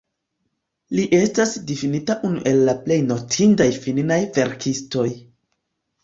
Li estas difinita unu el la plej notindaj finnaj verkistoj.